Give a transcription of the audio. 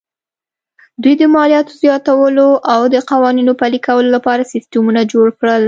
دوی د مالیاتو زیاتولو او د قوانینو پلي کولو لپاره سیستمونه جوړ کړل